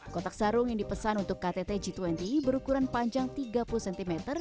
kotak sarung yang dipesan untuk ktt g dua puluh berukuran panjang tiga puluh cm